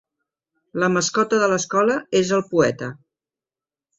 La mascota de l'escola és el Poeta.